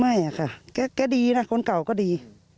ไม่ค่ะแกดีนะคนเก่าก็ดี